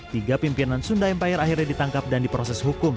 tiga pimpinan sunda empire akhirnya ditangkap dan diproses hukum